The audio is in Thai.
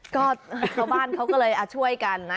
ก็ชาวบ้านเขาก็เลยช่วยกันนะ